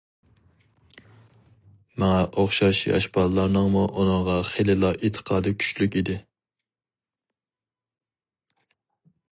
ماڭا ئوخشاش ياش بالىلارنىڭمۇ ئۇنىڭغا خېلىلا ئېتىقادى كۈچلۈك ئىدى.